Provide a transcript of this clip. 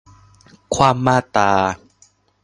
คว่ำมาตรา